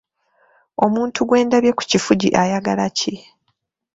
Omuntu gwe ndabye ku kifugi ayagala ki?